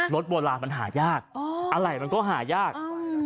รถโบราณมันหายากอ๋ออะไรมันก็หายากอืม